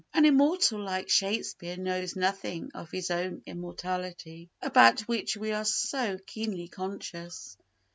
An immortal like Shakespeare knows nothing of his own immortality about which we are so keenly conscious.